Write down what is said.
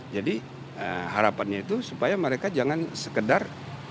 jadi harapannya itu supaya mereka jangan sekedar